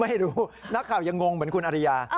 ไม่รู้นักข่าวยังงงเหมือนคุณอริยา